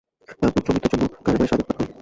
আর পুত্র মৃত্যুর জন্যে কলেমায়ে শাহাদাত পাঠ করেন।